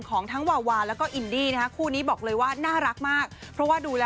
ก่อนหน้านี้เขาก็ยอดพักว่า